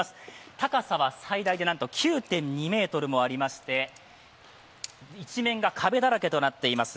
高さは最大でなんと９．２ｍもありまして一面が壁だらけとなっています。